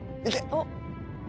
「あっ」